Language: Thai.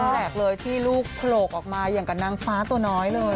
แรกเลยที่ลูกโผลกออกมาอย่างกับนางฟ้าตัวน้อยเลย